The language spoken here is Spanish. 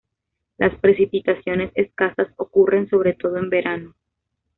Las precipitaciones escasas ocurren sobre todo en verano.